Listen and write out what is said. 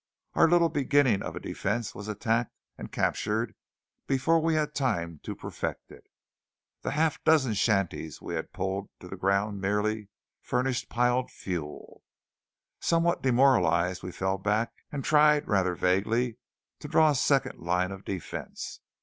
Our little beginning of a defence was attacked and captured before we had had time to perfect it. The half dozen shanties we had pulled to the ground merely furnished piled fuel. Somewhat demoralized, we fell back, and tried, rather vaguely, to draw a second line of defence.